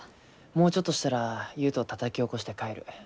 もうちょっとしたら悠人たたき起こして帰る。